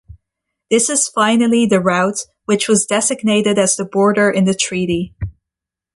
This is finally the route which was designated as the border in the treaty.